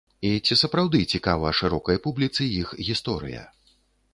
І ці сапраўды цікава шырокай публіцы іх гісторыя?